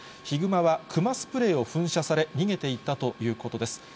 ヒグマはクマスプレーを噴射され、逃げていったということです。